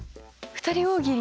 ２人大喜利。